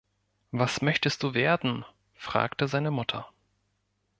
„Was möchtest du werden?“, fragte seine Mutter.